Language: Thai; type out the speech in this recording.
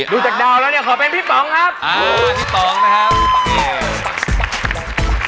ดูจากดาวแล้วเนี่ยขอเป็นพี่ปองครับ